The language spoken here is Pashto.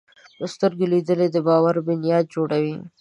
په سترګو لیدل د باور بنیاد جوړوي